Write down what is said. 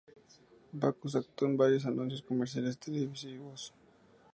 Backus actuó en varios anuncios comerciales televisivos.